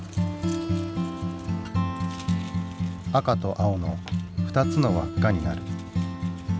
赤と青の２つの輪っかになる。